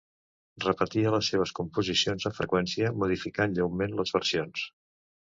Repetia les seves composicions amb freqüència, modificant lleument les versions.